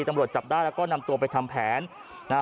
ตำรวจจับได้แล้วก็นำตัวไปทำแผนนะฮะ